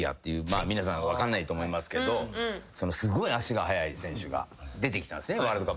まあ皆さん分かんないと思いますけどすごい足が速い選手が出てきたんですねワールドカップで。